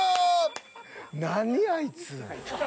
何あいつ。